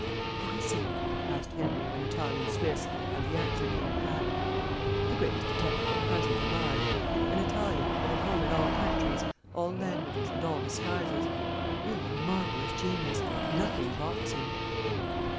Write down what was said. "Who is he?" asked Henry, of an Italian Swiss, and the answer came pat. "The greatest detective at present alive. An Italian, but at home in all countries, all languages, and all disguises. Really a marvellous genius. Nothing balks him."